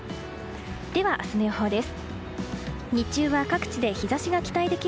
では明日の予報です。